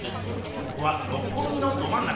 ここは六本木のどまん中。